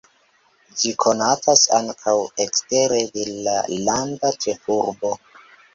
Ĝi konatas ankaŭ ekstere de la landa ĉefurbo.